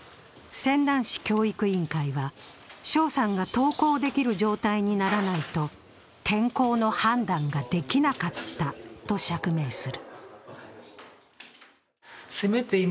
泉南市教育委員会は、翔さんが登校できる状態にならないと転校の判断ができなかったと釈明する。